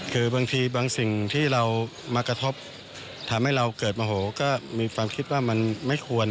คือบางทีบางสิ่งที่เรามากระทบทำให้เราเกิดโมโหก็มีความคิดว่ามันไม่ควร